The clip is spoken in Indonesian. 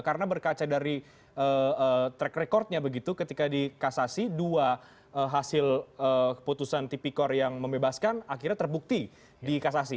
karena berkaca dari track record nya begitu ketika dikasasi dua hasil keputusan tp corp yang membebaskan akhirnya terbukti dikasasi